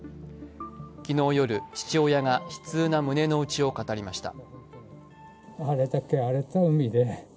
昨日夜、父親が悲痛な胸のうちを語りました。